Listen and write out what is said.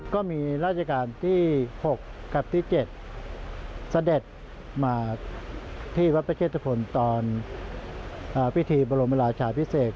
ก็มีราชการที่๖กับที่๗เสด็จมาที่วัดพระเชษฐพลตอนพิธีบรมราชาพิเศษ